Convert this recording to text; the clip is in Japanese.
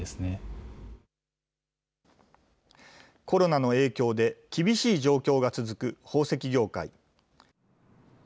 コロナの影響で厳しい状況が続く宝石業界。